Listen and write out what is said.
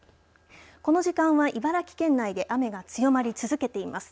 この時間は茨城県内で雨が強まり続けています。